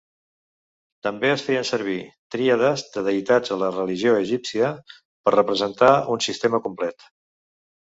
També es feien servir tríades de deïtats a la religió egípcia per representar un sistema complet.